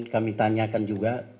kami tanyakan juga